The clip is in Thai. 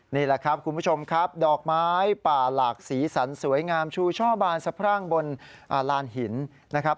นี่แหละครับคุณผู้ชมครับดอกไม้ป่าหลากสีสันสวยงามชูช่อบานสะพรั่งบนลานหินนะครับ